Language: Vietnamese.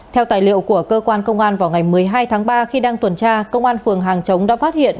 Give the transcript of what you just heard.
theo tài liệu của cơ quan công an vào ngày một mươi hai tháng ba khi đang tuần tra công an phường hàng chống đã phát hiện